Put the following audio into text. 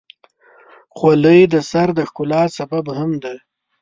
خولۍ د سر د ښکلا سبب هم ده.